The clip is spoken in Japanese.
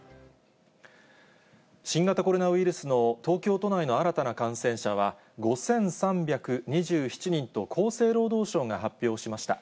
新型コロナウイルスの東京都内の新たな感染者は、５３２７人と厚生労働省が発表しました。